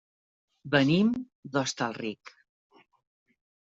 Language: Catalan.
Venim de Hostalric.